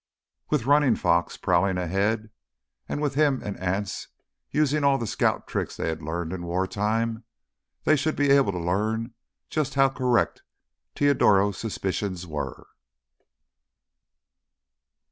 With Running Fox prowling ahead and with him and Anse using all the scout tricks they had learned in war time, they should be able to learn just how correct Teodoro's suspicions were.